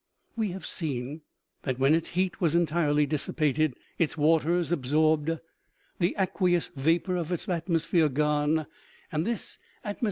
We have seen that when its heat was entirely dissipated, its waters absorbed, the aqueous vapor of its atmosphere gone, and this atmos 272 OMEGA.